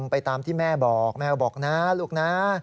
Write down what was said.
ไปตามที่แม่บอกแม่บอกนะลูกนะ